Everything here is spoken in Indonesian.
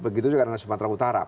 begitu juga dengan sumatera utara